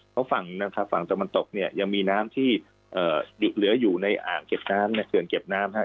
เพราะฝั่งตมตกเนี่ยยังมีน้ำที่เหลืออยู่ในอ่างเก็บน้ำในเกินเก็บน้ำ